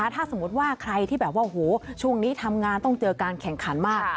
ถ้าสมมุติว่าใครที่แบบว่าช่วงนี้ทำงานต้องเจอการแข่งขันมาก